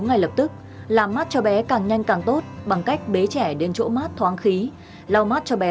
ngay lập tức làm mát cho bé càng nhanh càng tốt bằng cách bế trẻ đến chỗ mát thoáng khí lau mát cho bé